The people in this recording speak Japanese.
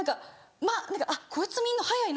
間何かあっこいつ見んの早いな。